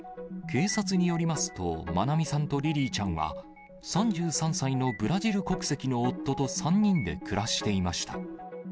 警察によりますと、愛美さんとリリィちゃんは、３３歳のブラジル国籍の夫と３人で暮らしていました。